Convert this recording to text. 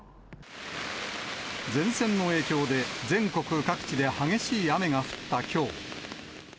前線の影響で、全国各地で激しい雨が降ったきょう。